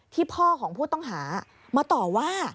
พ่อของผู้ต้องหามาต่อว่า